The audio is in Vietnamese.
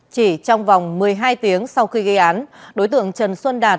chỉ trong vòng một mươi hai tiếng sau khi gây án đối tượng trần xuân đạt